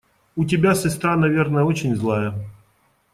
У тебя сестра, наверное, очень злая?